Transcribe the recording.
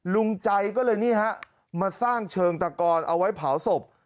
ลุงใจก็เลยนี่ฮะมาสร้างเชิงตะกอนเอาไว้เผาศพ